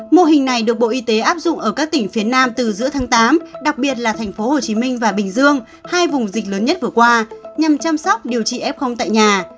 mô hình này được bộ y tế áp dụng ở các tỉnh phía nam từ giữa tháng tám đặc biệt là tp hcm và bình dương hai vùng dịch lớn nhất vừa qua nhằm chăm sóc điều trị f tại nhà